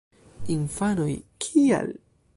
Infanoj: "Kial???"